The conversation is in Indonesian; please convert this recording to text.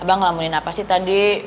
abang ngelamunin apa sih tadi